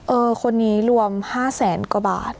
คนนี้รวม๕แสนกว่าบาท